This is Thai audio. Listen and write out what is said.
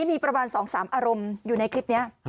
มีประมาณ๒๓อารมณ์อยู่ในคลิปนี้